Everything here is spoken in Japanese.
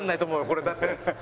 これだって。